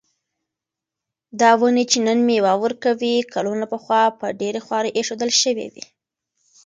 دا ونې چې نن مېوه ورکوي، کلونه پخوا په ډېره خواري ایښودل شوې وې.